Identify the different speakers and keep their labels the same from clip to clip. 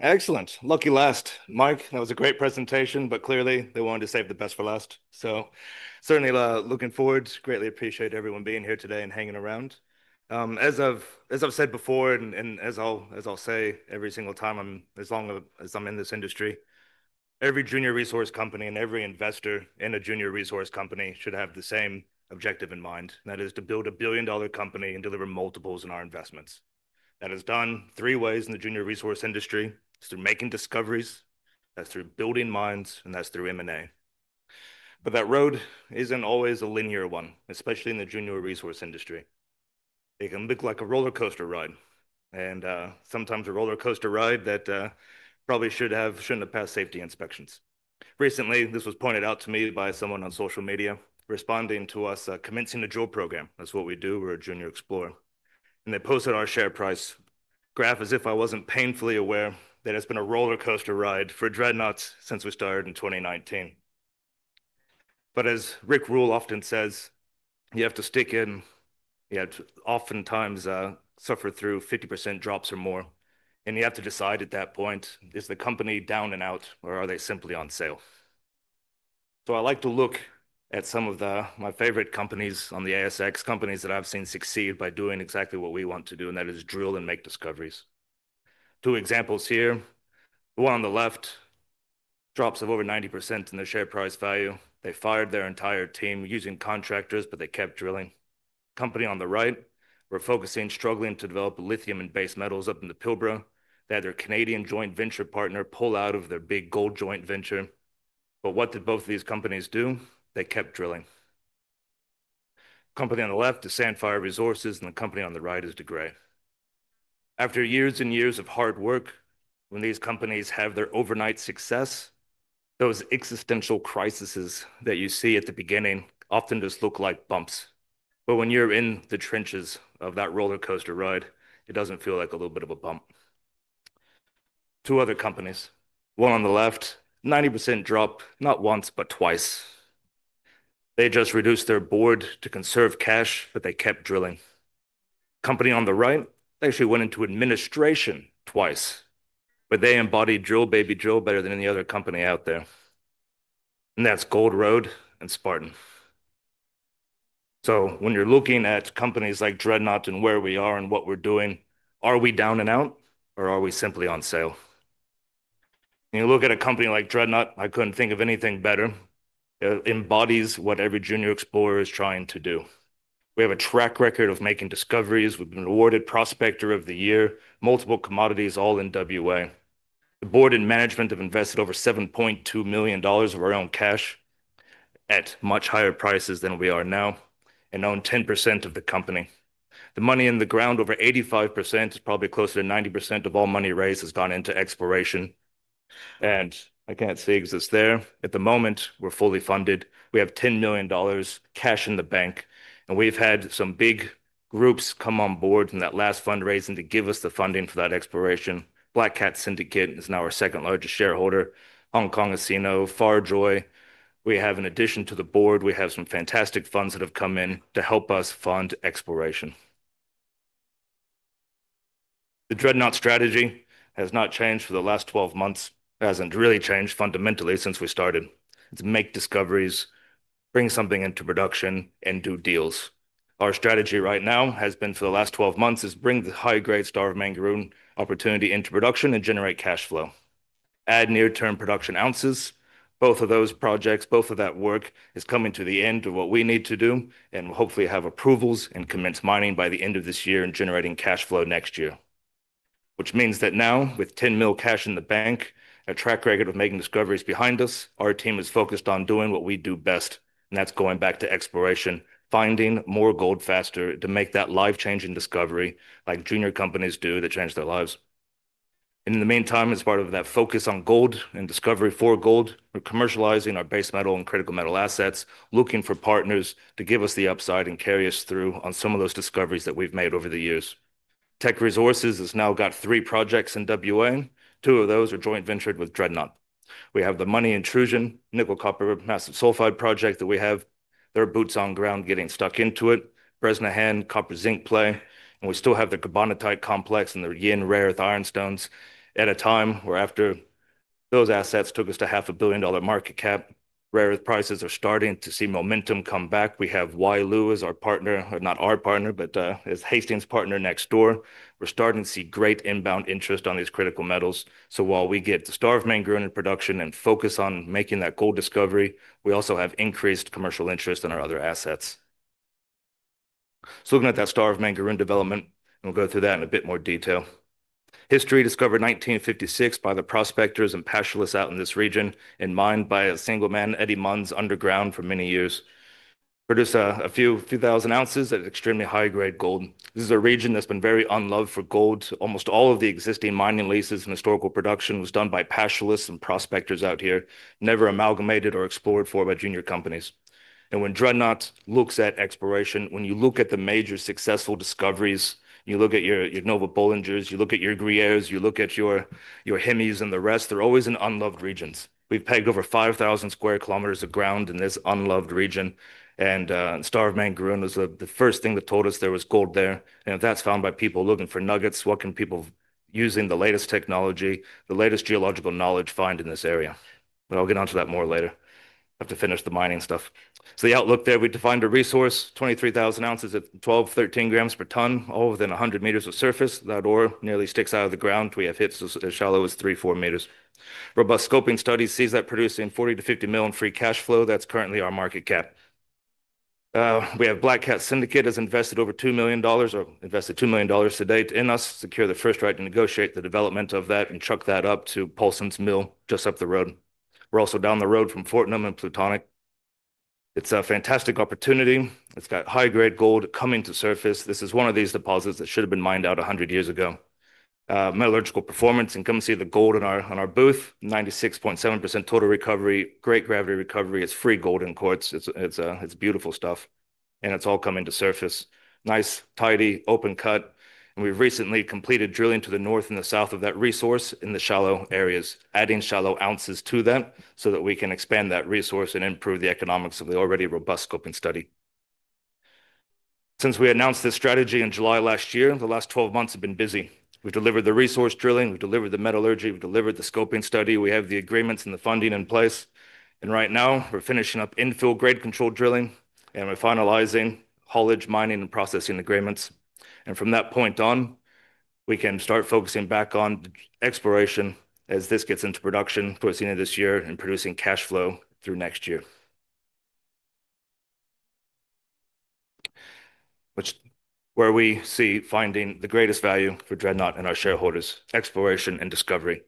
Speaker 1: Excellent. Lucky last, Mike. That was a great presentation, but clearly they wanted to save the best for last. Certainly, looking forward to greatly appreciate everyone being here today and hanging around. As I've said before, and as I'll say every single time as long as I'm in this industry, every junior resource company and every investor in a junior resource company should have the same objective in mind. That is to build a billion-dollar company and deliver multiples in our investments. That is done three ways in the junior resource industry: through making discoveries, through building mines, and through M&A. That road isn't always a linear one, especially in the junior resource industry. It can look like a roller coaster ride, and sometimes a roller coaster ride that probably shouldn't have passed safety inspections. Recently, this was pointed out to me by someone on social media responding to us commencing a drill program. That's what we do. We're a junior explorer. They posted our share price graph as if I wasn't painfully aware that it's been a roller coaster ride for Dreadnought Resources since we started in 2019. As Rick Rule often says, you have to stick in. You have to oftentimes suffer through 50% drops or more. You have to decide at that point, is the company down and out or are they simply on sale? I like to look at some of my favorite companies on the ASX, companies that I've seen succeed by doing exactly what we want to do, and that is drill and make discoveries. Two examples here. The one on the left drops over 90% in their share price value. They fired their entire team using contractors, but they kept drilling. Company on the right, we're focusing on struggling to develop lithium and base metals up in the Pilbara that our Canadian joint venture partner pulled out of their big gold joint venture. What did both of these companies do? They kept drilling. Company on the left is Sandfire Resources, and the company on the right is De Grey Mining. After years and years of hard work, when these companies have their overnight success, those existential crises that you see at the beginning often just look like bumps. When you're in the trenches of that roller coaster ride, it doesn't feel like a little bit of a bump. Two other companies. One on the left, 90% drop, not once, but twice. They just reduced their board to conserve cash, but they kept drilling. Company on the right actually went into administration twice, but they embodied drill, baby, drill better than any other company out there. That's Gold Road and Spartan. When you're looking at companies like Dreadnought and where we are and what we're doing, are we down and out or are we simply on sale? When you look at a company like Dreadnought, I couldn't think of anything better. It embodies what every junior explorer is trying to do. We have a track record of making discoveries. We've been awarded Prospector of the Year, multiple commodities, all in WA. The board and management have invested over $7.2 million of our own cash at much higher prices than we are now and own 10% of the company. The money in the ground, over 85%, is probably closer to 90% of all money raised has gone into exploration. I can't say it's just there. At the moment, we're fully funded. We have $10 million cash in the bank. We've had some big groups come on board in that last fundraising to give us the funding for that exploration. Black Cat Syndicate is now our second largest shareholder. Hong Kong Ausino, Farjoy. In addition to the board, we have some fantastic funds that have come in to help us fund exploration. The Dreadnought strategy has not changed for the last 12 months. It hasn't really changed fundamentally since we started. It's make discoveries, bring something into production, and do deals. Our strategy right now has been, for the last 12 months, bring the high-grade Star of Mangaroon opportunity into production and generate cash flow. Add near-term production ounces. Both of those projects, both of that work, is coming to the end of what we need to do and hopefully have approvals and commence mining by the end of this year and generating cash flow next year. Which means that now, with $10 million cash in the bank, a track record of making discoveries behind us, our team is focused on doing what we do best. That's going back to exploration, finding more gold faster to make that life-changing discovery like junior companies do to change their lives. In the meantime, as part of that focus on gold and discovery for gold, we're commercializing our base metal and critical metal assets, looking for partners to give us the upside and carry us through on some of those discoveries that we've made over the years. Teck Resources has now got three projects in WA. Two of those are joint ventured with Dreadnought. We have the Money Intrusion, nickel-copper massive sulfide project that we have. There are boots on ground getting stuck into it. Bresnahan, copper-zinc play, and we still have the carbonatite complex and the YIN Rare Earth Ironstones at a time where after those assets took us to half a billion-dollar market cap, rare earth prices are starting to see momentum come back. We have YLU as our partner, not our partner, but as Hastings' partner next door. We're starting to see great inbound interest on these critical metals. While we get the Star of Mangaroon in production and focus on making that gold discovery, we also have increased commercial interest in our other assets. Looking at that Star of Mangaroon development, and we'll go through that in a bit more detail. History discovered 1956 by the prospectors and passionists out in this region and mined by a single man, Eddie Munns, underground for many years. Produced a few thousand ounces at extremely high-grade gold. This is a region that's been very unloved for gold. Almost all of the existing mining leases and historical production was done by passionists and prospectors out here, never amalgamated or explored for by junior companies. When Dreadnought looks at exploration, when you look at the major successful discoveries, you look at your Nova Bollinger, you look at your Gruyere, you look at your Hemi and the rest, they're always in unloved regions. We've pegged over 5,000 sq km of ground in this unloved region, and Star of Mangaroon was the first thing that told us there was gold there. If that's found by people looking for nuggets, what can people using the latest technology, the latest geological knowledge find in this area? We'll get onto that more later. I have to finish the mining stuff. The outlook there, we defined a resource, 23,000 oz at 12 g/t, 13 g/t, all within 100 m of surface. That ore nearly sticks out of the ground. We have hits as shallow as 3 m, 4 m. Robust scoping studies see that producing $40-$50 million in free cash flow. That's currently our market cap. Black Cat Syndicate has invested $2 million to date in us, secured the first right to negotiate the development of that and chuck that up to Paulsens Mill just up the road. We're also down the road from Fortnum and Plutonic. It's a fantastic opportunity. It's got high-grade gold coming to surface. This is one of these deposits that should have been mined out 100 years ago. Metallurgical performance, and come see the gold in our booth, 96.7% total recovery, great gravity recovery, it's free gold in quartz, it's beautiful stuff, and it's all coming to surface. Nice, tidy, open cut, and we've recently completed drilling to the north and the south of that resource in the shallow areas, adding shallow ounces to that so that we can expand that resource and improve the economics of the already robust scoping study. Since we announced this strategy in July last year, the last 12 months have been busy. We've delivered the resource drilling, we've delivered the metallurgy, we've delivered the scoping study, we have the agreements and the funding in place. Right now we're finishing up infill grade control drilling and we're finalizing haulage, mining, and processing agreements. From that point on, we can start focusing back on exploration as this gets into production, proceeding this year and producing cash flow through next year, which is where we see finding the greatest value for Dreadnought and our shareholders, exploration and discovery.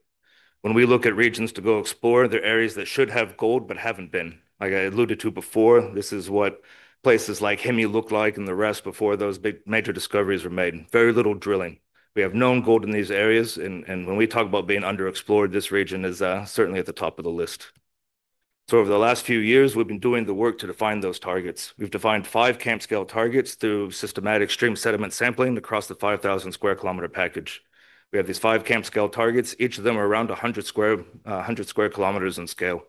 Speaker 1: When we look at regions to go explore, there are areas that should have gold but haven't been. Like I alluded to before, this is what places like Hemi look like and the rest before those big major discoveries were made. Very little drilling. We have known gold in these areas, and when we talk about being underexplored, this region is certainly at the top of the list. Over the last few years, we've been doing the work to define those targets. We've defined five camp scale targets through systematic stream sediment sampling across the 5,000 sq km package. We have these five camp scale targets. Each of them are around 100 sq km in scale.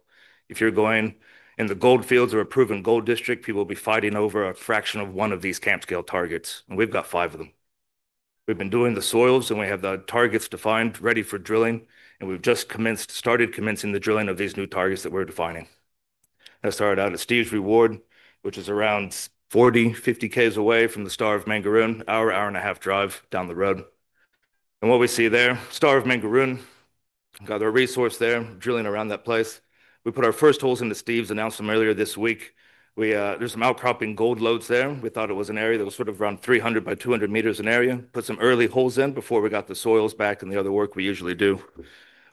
Speaker 1: If you're going in the gold fields or a proven gold district, people will be fighting over a fraction of one of these camp scale targets, and we've got five of them. We've been doing the soils, and we have the targets defined ready for drilling, and we've just started commencing the drilling of these new targets that we're defining. I started out at Steve's Reward, which is around 40 km, 50 km away from the Star of Mangaroon, an hour, hour and a half drive down the road. What we see there, Star of Mangaroon, we've got our resource there, drilling around that place. We put our first holes into Steve's, announced them earlier this week. There's some outcropping gold lodes there. We thought it was an area that was sort of around 300x200 m in area. Put some early holes in before we got the soils back and the other work we usually do.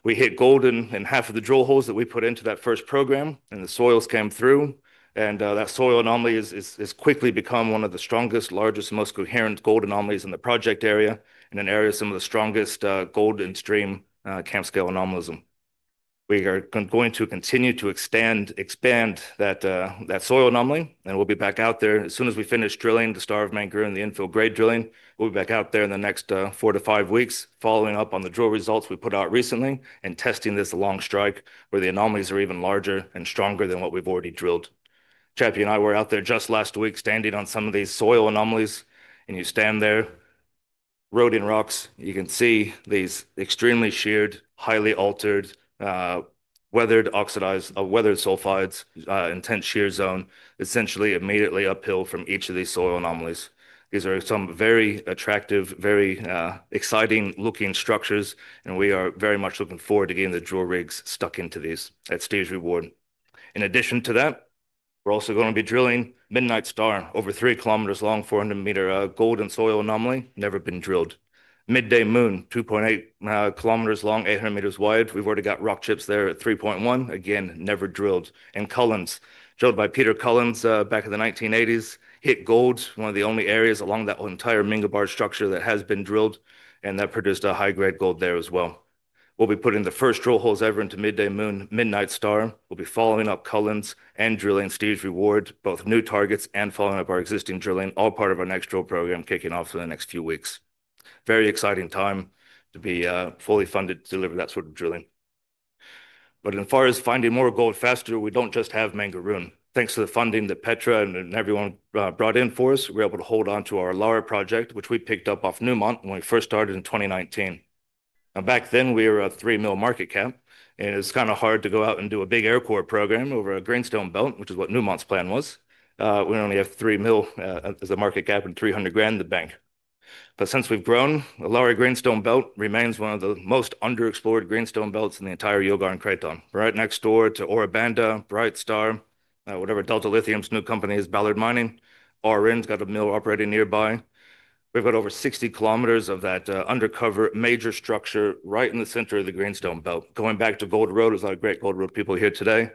Speaker 1: We hit gold in half of the drill holes that we put into that first program, and the soils came through, and that soil anomaly has quickly become one of the strongest, largest, most coherent gold anomalies in the project area, and an area of some of the strongest gold in stream camp scale anomalies. We are going to continue to expand that soil anomaly, and we'll be back out there as soon as we finish drilling the Star of Mangaroon and the infill grade drilling. We'll be back out there in the next four to five weeks, following up on the drill results we put out recently and testing this long strike where the anomalies are even larger and stronger than what we've already drilled. Chapie and I were out there just last week standing on some of these soil anomalies, and you stand there, roading rocks, you can see these extremely sheared, highly altered, weathered sulfides, intense shear zone, essentially immediately uphill from each of these soil anomalies. These are some very attractive, very exciting looking structures, and we are very much looking forward to getting the drill rigs stuck into these at Steve’s Reward. In addition to that, we're also going to be drilling Midnight Star, over three km long, 400 meter gold in soil anomaly, never been drilled. Midday Moon, 2.8 km long, 800 m wide, we've already got rock chips there at 3.1 g/t, again, never drilled. And Cullens, drilled by Peter Cullens back in the 1980s, hit gold, one of the only areas along that entire Minga Bar structure that has been drilled, and that produced a high-grade gold there as well. We'll be putting the first drill holes ever into Midday Moon, Midnight Star. We'll be following up Cullens and drilling Steve’s Reward, both new targets and following up our existing drilling, all part of our next drill program kicking off in the next few weeks. Very exciting time to be fully funded to deliver that sort of drilling. As far as finding more gold faster, we don't just have Mangaroon. Thanks to the funding that Petra and everyone brought in for us, we're able to hold on to our Olara project, which we picked up off Newmont when we first started in 2019. Now, back then, we were a $3 million market cap, and it's kind of hard to go out and do a big aircore program over a greenstone belt, which is what Newmont's plan was. We only have $3 million as a market cap and $300,000 in the bank. Since we've grown, the Olara greenstone belt remains one of the most underexplored greenstone belts in the entire Yilgarn Craton. We're right next door to Ora Banda, Bright Star, whatever Delta Lithium's new company is, Bullard Mining. RN's got a mill operating nearby. We've got over 60 km of that undercover major structure right in the center of the greenstone belt. Going back to Gold Road, as our great Gold Road people here today,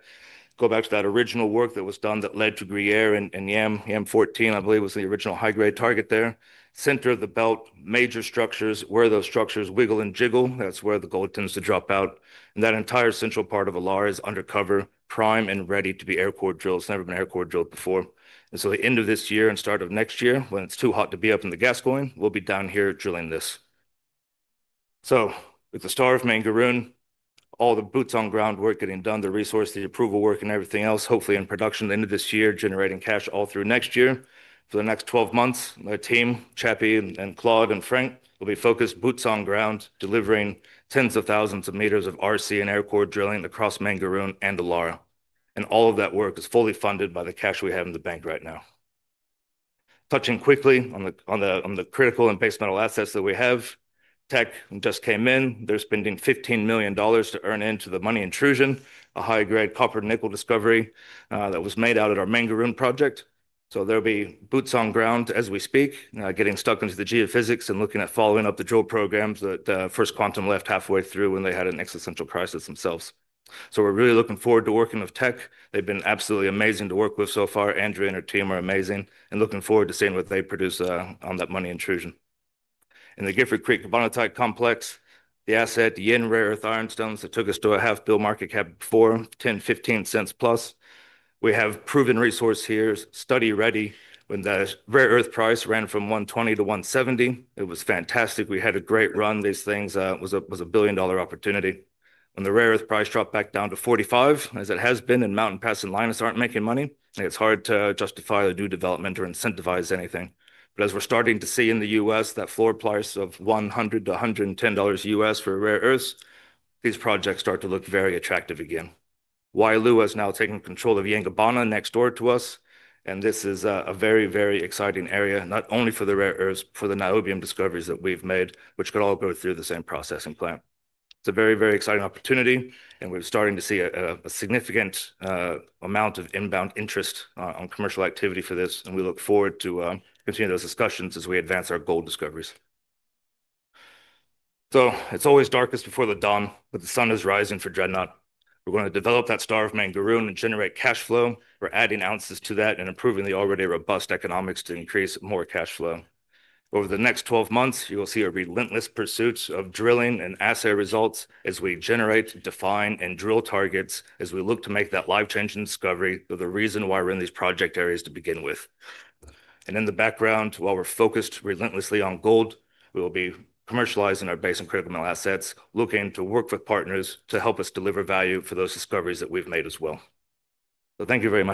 Speaker 1: go back to that original work that was done that led to Gruyere and Yamarna. Yam 14, I believe, was the original high-grade target there. Center of the belt, major structures, where those structures wiggle and jiggle, that's where the gold tends to drop out. That entire central part of the Olara is undercover, prime and ready to be aircore drilled. It's never been aircore drilled before. At the end of this year and start of next year, when it's too hot to be up in the Gascoyne, we'll be down here drilling this. With the Star of Mangaroon, all the boots on ground work getting done, the resource, the approval work, and everything else, hopefully in production at the end of this year, generating cash all through next year. For the next 12 months, my team, Chapie and Claude and Frank, will be focused boots on ground, delivering tens of thousands of m of RC and aircore drilling across Mangaroon and the Olara. All of that work is fully funded by the cash we have in the bank right now. Touching quickly on the critical and base metal assets that we have, Teck just came in. They're spending $15 million to earn into the Monie Intrusion, a high-grade copper-nickel discovery that was made out of our Mangaroon project. They'll be boots on ground as we speak, getting stuck into the geophysics and looking at following up the drill programs that First Quantum left halfway through when they had an existential crisis themselves. We're really looking forward to working with Teck. They've been absolutely amazing to work with so far. Andrea and her team are amazing, and looking forward to seeing what they produce on that Monie Intrusion. In the Gifford Creek Carbonatite Complex, the asset, the Yin Rare Earth Ironstones, that took us to a half billion market cap before, $0.10, $0.15+. We have proven resource here, study ready. When the rare earth price ran from $120-$170, it was fantastic. We had a great run. These things were a billion-dollar opportunity. When the rare earth price dropped back down to $45, as it has been and Mountain Pass and Lynas aren't making money, it's hard to justify the new development or incentivize anything. As we're starting to see in the U.S., that floor price of $100-$110 for rare earths, these projects start to look very attractive again. YLU has now taken control of Yangibana next door to us, and this is a very, very exciting area, not only for the rare earths, for the niobium discoveries that we've made, which could all go through the same processing plant. It's a very, very exciting opportunity, and we're starting to see a significant amount of inbound interest on commercial activity for this. We look forward to continuing those discussions as we advance our gold discoveries. It's always darkest before the dawn, but the sun is rising for Dreadnought. We're going to develop that Star of Mangaroon and generate cash flow. We're adding ounces to that and improving the already robust economics to increase more cash flow. Over the next 12 months, you will see a relentless pursuit of drilling and assay results as we generate, define, and drill targets as we look to make that life-changing discovery, the reason why we're in these project areas to begin with. In the background, while we're focused relentlessly on gold, we will be commercializing our base and critical metal assets, looking to work with partners to help us deliver value for those discoveries that we've made as well. Thank you very much.